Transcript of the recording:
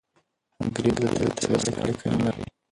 انګریز له طبیعت سره اړیکه نلري.